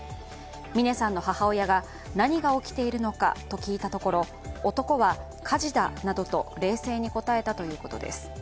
峰さんの母親が何が起きているのかと聞いたところ、男は、火事だなどと冷静に答えたということです。